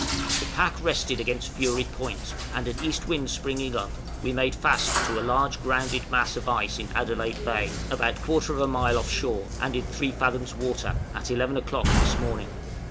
The pack rested against Fury Point, and an east wind springing up, we made fast to a large grounded mass of ice in Adelaide Bay, about 1/4 mile off shore, and in 3 fathoms water, at eleven o'clock this morning.